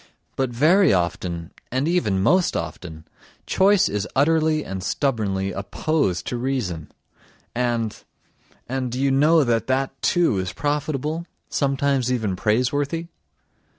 But very often, and even most often, choice is utterly and stubbornly opposed to reason ... and ... and ... do you know that that, too, is profitable, sometimes even praiseworthy?